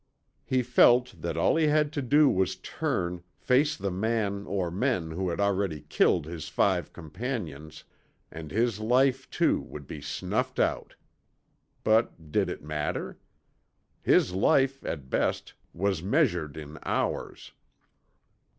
He felt that all he had to do was turn, face the man or men who had already killed his five companions, and his life too would be snuffed out. But did it matter? His life, at best, was measured in hours.